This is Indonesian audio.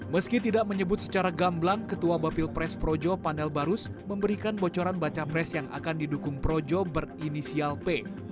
meski tidak menyebut secara gamblang ketua bapil pres projo panel barus memberikan bocoran baca pres yang akan didukung projo berinisial p